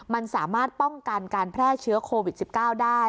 มันสามารถป้องกันการแพร่เชื้อโควิด๑๙ได้